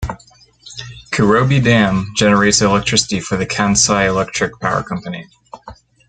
Kurobe Dam generates electricity for the Kansai Electric Power Company.